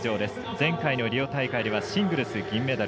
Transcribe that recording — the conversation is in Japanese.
前回のリオ大会ではシングルス、銀メダル。